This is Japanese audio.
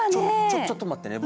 ちょちょっと待ってね！